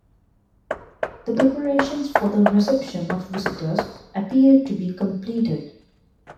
The preparations for the reception of visitors appeared to be completed.